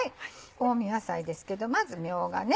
香味野菜ですけどまずみょうが。